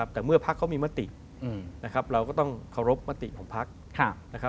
แต่เมื่อพรรคเขามีมติเราก็ต้องเคารพมติของพรรค